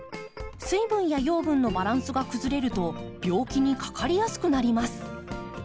水分や養分のバランスが崩れると病気にかかりやすくなります。